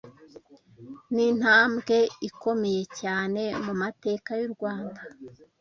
ni intambwe ikomeye cyane mu mateka y’u Rwanda